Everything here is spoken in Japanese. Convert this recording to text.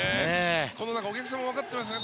お客さんも分かってますね